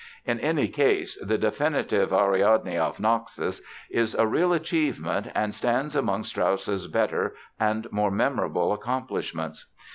In any case, the definitive Ariadne auf Naxos is a real achievement and stands among Strauss's better and more memorable accomplishments.